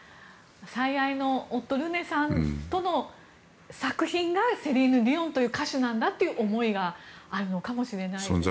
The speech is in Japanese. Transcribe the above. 最愛の夫ルネさんとの作品がセリーヌ・ディオンという歌手なんだという思いがあるのかもしれないですね。